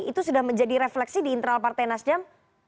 itu sudah menjadi refleksi di internal partai nasdem